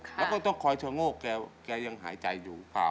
แล้วก็ต้องคอยชะโงกแกยังหายใจอยู่หรือเปล่า